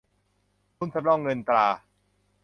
ทุนสำรองเงินตรา